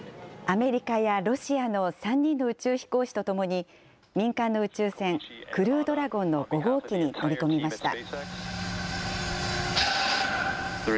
アメリカやロシアの３人の宇宙飛行士と共に、民間の宇宙船クルードラゴンの５号機に乗り込みました。